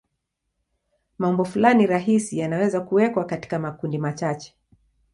Maumbo fulani rahisi yanaweza kuwekwa katika makundi machache.